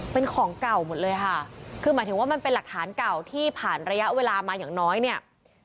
เป็นของเก่าหมดเลยค่ะคือหมายถึงว่ามันเป็นหลักฐานเก่าที่ผ่านระยะเวลามาอย่างน้อยเนี่ย